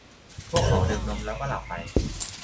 พวกเขาดื่มนมแล้วก็หลับไป